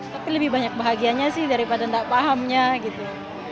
tapi lebih banyak bahagianya sih daripada nggak pahamnya gitu